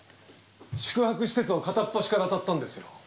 宿泊施設を片っ端から当たったんですよ。